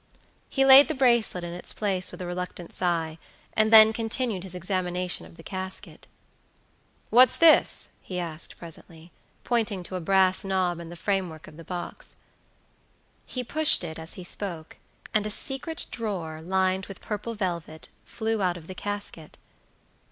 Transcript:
He laid the bracelet in its place with a reluctant sigh, and then continued his examination of the casket. "What's this?" he asked presently, pointing to a brass knob in the frame work of the box. He pushed it as he spoke, and a secret drawer, lined with purple velvet, flew out of the casket.